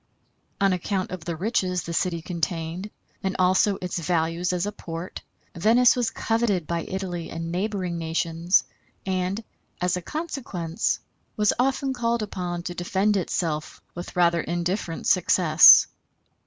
On account of the riches the city contained, and also its values as a port, Venice was coveted by Italy and neighboring nations, and, as a consequence, was often called upon to defend itself with rather indifferent success.